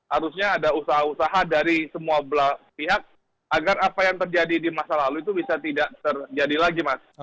harusnya ada usaha usaha dari semua pihak agar apa yang terjadi di masa lalu itu bisa tidak terjadi lagi mas